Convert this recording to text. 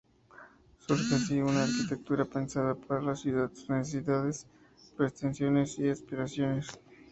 Surge así una arquitectura pensada para la ciudad, sus necesidades, pretensiones y aspiraciones.